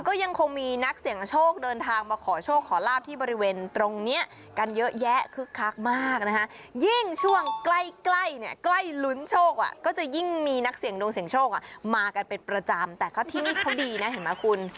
ก็ยังคงมีนักเสี่ยงโชคเดินทางมาขอโชคขอลาบที่บริเวณตรงนี้กันเยอะแยะคึกคักมากนะคะยิ่งช่วงใกล้ใกล้เนี่ยใกล้ลุ้นโชคก็จะยิ่งมีนักเสี่ยงดวงเสี่ยงโชคมากันเป็นประจำแต่ก็ที่นี่เขาดีนะเห็นไหมคุณ